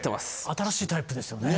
新しいタイプですよね。